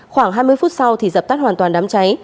khoảng hai mươi phút sau thì dập tắt hoàn toàn đám cháy